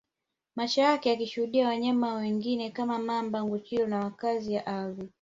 Macho yake yakishuhudia wanyama wengine kama Mamba Nguchiro wa makazi ya ardhi